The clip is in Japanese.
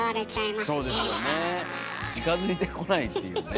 近づいてこないっていうね